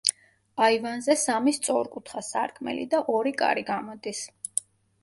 აივანზე სამი სწორკუთხა სარკმელი და ორი კარი გამოდის.